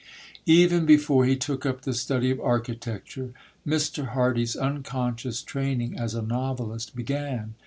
Even before he took up the study of architecture, Mr. Hardy's unconscious training as a novelist began.